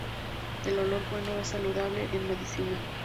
El olor bueno es saludable en medicina.